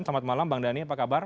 selamat malam bang dhani apa kabar